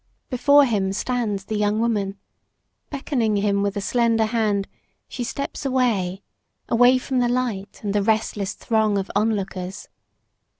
Before him stands the young woman. Beckoning him with a slender hand, she steps backward, away from the light and the restless throng of onlookers.